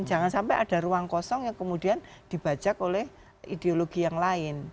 jangan sampai ada ruang kosong yang kemudian dibajak oleh ideologi yang lain